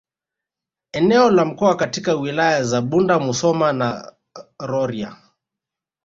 Eneo la mkoa katika Wilaya za Bunda Musoma na Rorya